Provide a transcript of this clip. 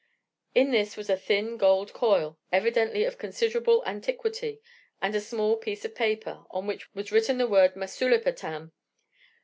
In this was a thin gold coin, evidently of considerable antiquity, and a small piece of paper, on which was written the word "Masulipatam."